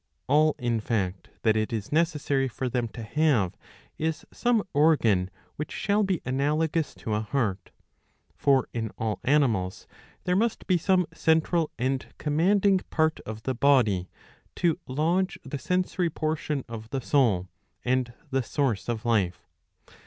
All, in fact, that it is necessary for them to have is some organ which shall be analogous to a heart ; for in all animals there must be some central and commanding part of the body, to lodge the sensory portion of the soul and the source of life.